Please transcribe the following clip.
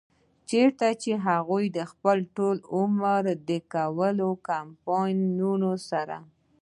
چرته چې هغوي خپل ټول عمر د کول کمپنيانو سره